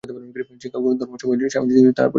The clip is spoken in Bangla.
চিকাগো ধর্মমহাসভায় স্বামীজীর সহিত তাঁহার পরিচয় হয়।